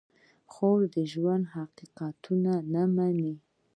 خور د ژوند حقیقتونه مني.